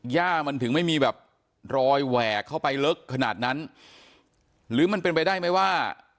ย่ามันถึงไม่มีแบบรอยแหวกเข้าไปลึกขนาดนั้นหรือมันเป็นไปได้ไหมว่า